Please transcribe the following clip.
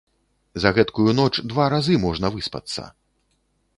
За гэткую ноч два разы можна выспацца!